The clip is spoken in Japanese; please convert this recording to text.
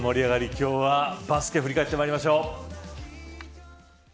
今日はバスケ振り返ってまいりましょう。